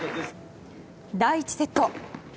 第１セット。